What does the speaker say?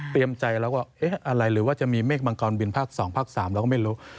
ใจแล้วก็เอ๊ะอะไรหรือว่าจะมีเมฆมังกรบินภาค๒ภาค๓เราก็ไม่รู้